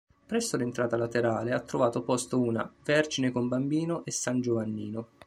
Presso l'entrata laterale ha trovato posto una "Vergine con Bambino e San Giovannino".